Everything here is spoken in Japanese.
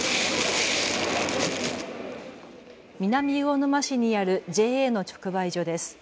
南魚沼市にあるＪＡの直売所です。